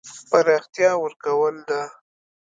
پراختیا ورکول ده.